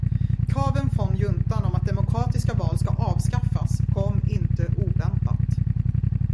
Kraven från juntan om att demokratiska val ska avskaffas kom inte oväntat.